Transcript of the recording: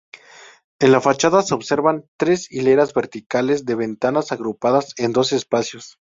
En la fachada se observan tres hileras verticales de ventanas agrupadas en dos espacios.